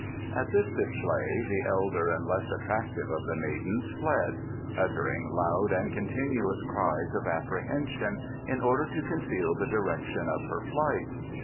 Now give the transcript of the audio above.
At this display the elder and less attractive of the maidens fled, uttering loud and continuous cries of apprehension in order to conceal the direction of her flight.